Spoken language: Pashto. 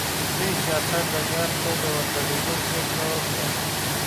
دوی سیاست ډګر ته د ورګډېدو پرېکړه وکړه.